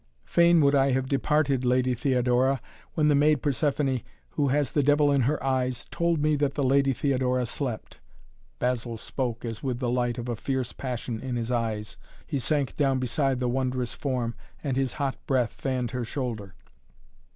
"Fain would I have departed, Lady Theodora, when the maid Persephoné, who has the devil in her eyes, told me that the Lady Theodora slept," Basil spoke as, with the light of a fierce passion in his eyes, he sank down beside the wondrous form, and his hot breath fanned her shoulder.